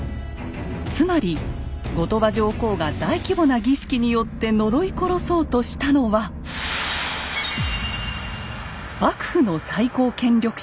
つまり後鳥羽上皇が大規模な儀式によって呪い殺そうとしたのは幕府の最高権力者北条義時です。